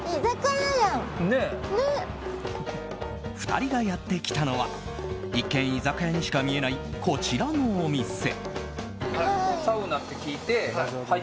２人がやってきたのは一見、居酒屋にしか見えないこちらのお店。